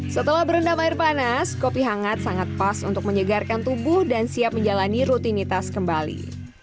setelah berendam air panas kopi hangat sangat pas untuk menyegarkan tubuh dan siap menjalani rutinitas kembali